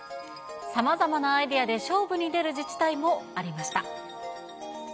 さまざまなアイデアで勝負に出る自治体もありました。